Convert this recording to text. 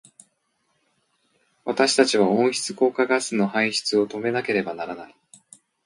私たちは温室効果ガスの排出を止めなければならない。